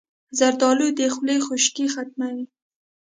زردالو د خولې خشکي ختموي.